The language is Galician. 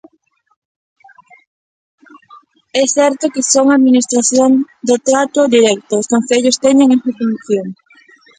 É certo que son a administración do trato directo, os concellos teñen esa función.